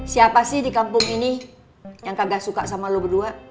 siapa sih di kampung ini yang kagak suka sama lo berdua